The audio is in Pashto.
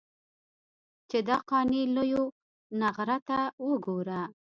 چې دا قانع لېونغرته وګوره.